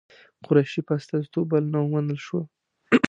قریشي په استازیتوب بلنه ومنل شوه.